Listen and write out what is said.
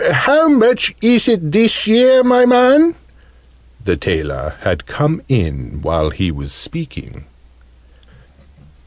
How much is it, this year, my man?" The tailor had come in while he was speaking.